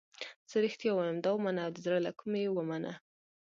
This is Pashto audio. زه رښتیا وایم دا ومنه او د زړه له کومې یې ومنه.